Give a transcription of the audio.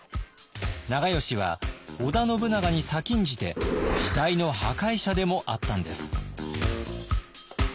長慶は織田信長に先んじて時代の破壊者でもあったんです。